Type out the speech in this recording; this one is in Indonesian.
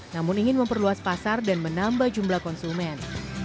namun ingin memperluas pasar dan menambah jumlah konsumen